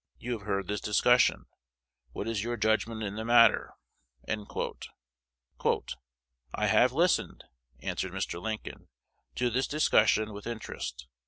You have heard this discussion. What is your judgment in the matter?" "I have listened," answered Mr. Lincoln, "to this discussion with interest.